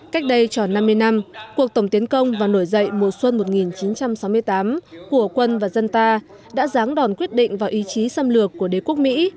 cách đây tròn năm mươi năm cuộc tổng tiến công và nổi dậy mùa xuân một nghìn chín trăm sáu mươi tám của quân và dân ta đã ráng đòn quyết định vào ý chí xâm lược của đế quốc mỹ